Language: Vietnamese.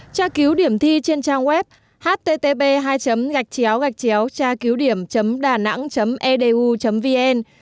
tra cứu điểm thi trên trang web http tra cứu đà nẵng edu vn